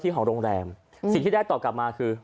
เที่ยวว่าที่รองแรมสิ่งที่ได้ตอบกลับมาคือ